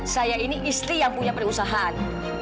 saya ini istri yang punya perusahaan